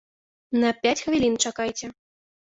На пяць хвілін чакайце!